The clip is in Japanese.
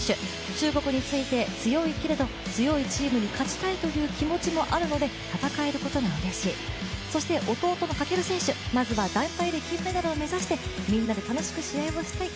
中国について、強いけれど、強いチームに勝ちたいという気持ちもあるので戦えることがうれしい、そして弟の翔選手、まずは団体で金メダルを目指してみんなで楽しく試合をしたい。